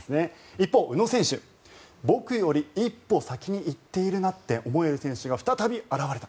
一方、宇野選手僕より一歩先に行っているなって思える選手が再び現れた。